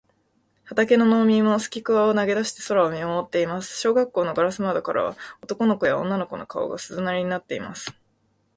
畑の農民もすきくわを投げだして空を見まもっています。小学校のガラス窓からは、男の子や女の子の顔が、鈴なりになっています。